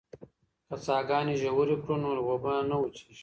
که څاګانې ژورې کړو نو اوبه نه وچېږي.